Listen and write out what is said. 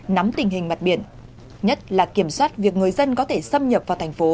nắm tình hình mặt biển nhất là kiểm soát việc người dân có thể xâm nhập vào thành phố